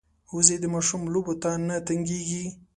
وزې د ماشوم لوبو ته نه تنګېږي